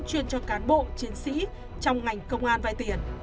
chuyên cho cán bộ chiến sĩ trong ngành công an vay tiền